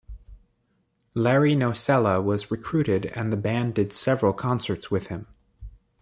Larry Nocella was recruited and the band did several concerts with him.